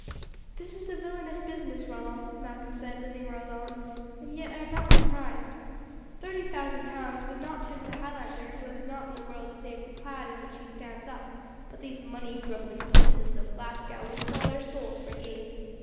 "This is a villainous business, Ronald," Malcolm said when they were alone; "and yet I am not surprised. Thirty thousand pounds would not tempt a Highlander who has naught in the world save the plaid in which he stands up; but these money grubbing citizens of Glasgow would sell their souls for gain.